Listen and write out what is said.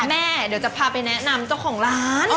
เดี๋ยวจะพาไปแนะนำเจ้าของร้าน